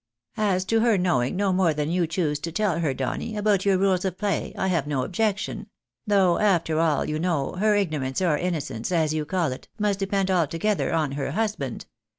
" As to her knowing no more than you choose to tell her, Donny, about your rules of play, I have no objection ; though, after all, you know, her ignorance or innocence, as you call it, must depend altogether on her husband.